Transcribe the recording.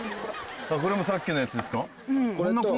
これもさっきのやつですか。